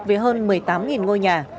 với hơn một mươi tám ngôi nhà